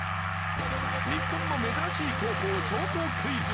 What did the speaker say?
日本の珍しい高校ショートクイズ。